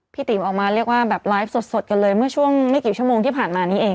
ติ๋มออกมาเรียกว่าแบบไลฟ์สดกันเลยเมื่อช่วงไม่กี่ชั่วโมงที่ผ่านมานี้เอง